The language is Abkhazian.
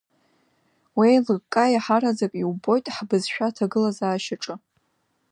Уи еилыкка еиҳараӡак иубоит ҳбызшәа аҭагылазаашьаҿы…